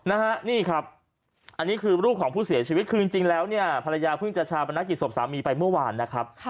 อันนี้คือลูกของผู้เสียชีวิตคือจริงแล้วภรรยาเพิ่งจะชาวบรรณกิจสมสามีไปเมื่อวานนะครับ